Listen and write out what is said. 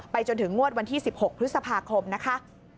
จนถึงงวดวันที่๑๖พฤษภาคมนะคะ